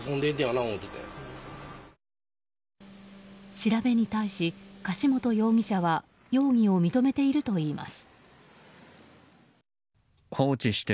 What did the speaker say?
調べに対し、柏本容疑者は容疑を認めているといいます。